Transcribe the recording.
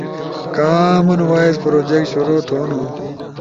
کامن وائس پروجیکٹ شروع تھونو۔